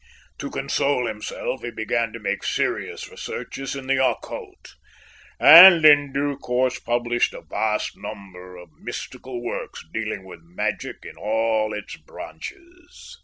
To console himself he began to make serious researches in the occult, and in due course published a vast number of mystical works dealing with magic in all its branches."